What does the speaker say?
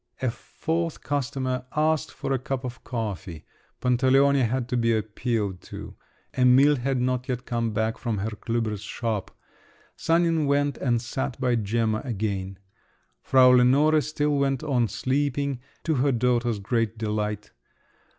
A fourth customer asked for a cup of coffee; Pantaleone had to be appealed to. (Emil had not yet come back from Herr Klüber's shop.) Sanin went and sat by Gemma again. Frau Lenore still went on sleeping, to her daughter's great delight.